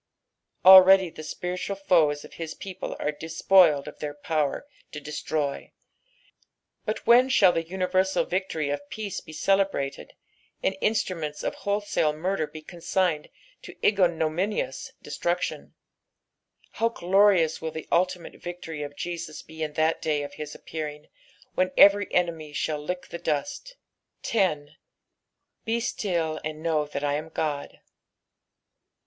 Already the spiritual. foes of hia people are despoiled of their power to destroy; but when shall the universal victory of peace be celebrated, and instruments of wholesale murder be con aigned to ignominious destruction f How glorious will the ultimate victory of Jesus be in the day of his appearing, when every enemy shall lick the dust 1 10. " Be ttill, aiid hioa that I am Ood."